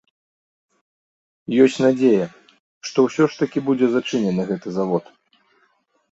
Ёсць надзея, што ўсё ж такі будзе зачынены гэты завод.